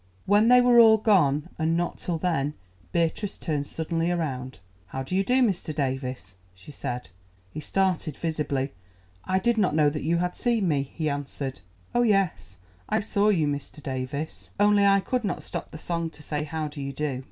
When they were all gone, and not till then, Beatrice turned suddenly round. "How do you do, Mr. Davies?" she said. He started visibly. "I did not know that you had seen me," he answered. "Oh, yes, I saw you, Mr. Davies, only I could not stop the song to say how do you do.